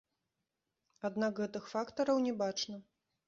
Аднак гэтых фактараў не бачна.